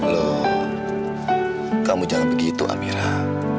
loh kamu jangan begitu amirah